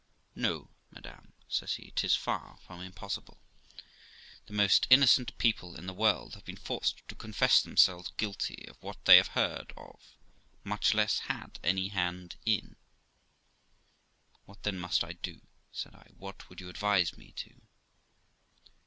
' No, madam ', says he, ' 'tis far from impossible. The most innocent people in the world have been forced to confess themselves guilty of what they never heard of, much less had any hand in.' 'What, then, must I do?' said I. 'What would you advise me to?'